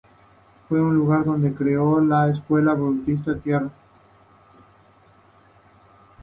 Fue el lugar donde se creó la Escuela Budista del Tiantai.